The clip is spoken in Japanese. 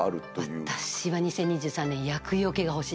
私は２０２３年厄除けが欲しいです。